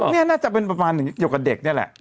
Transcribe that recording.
นี่น่าจะเป็นประมาณเกี่ยวกับเด็กนี่แหละ